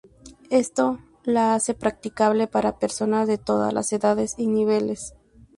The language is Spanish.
Esto la hace practicable para personas de todas las edades y niveles.